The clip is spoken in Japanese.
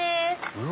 うわ！